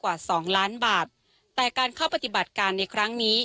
กว่าสองล้านบาทแต่การเข้าปฏิบัติการในครั้งนี้